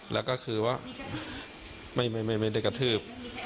แล้วก็คือว่าไม่ได้กระทืบ